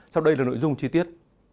sau đây là nội dung chi tiết